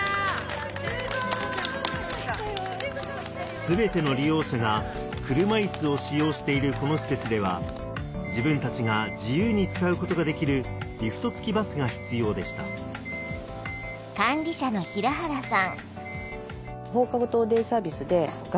・全ての利用者が車イスを使用しているこの施設では自分たちが自由に使うことができるリフト付きバスが必要でした実は。